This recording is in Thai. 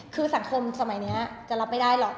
คือสังคมสมัยนี้จะรับไม่ได้หรอก